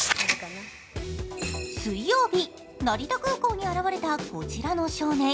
水曜日、成田空港に現れたこちらの少年。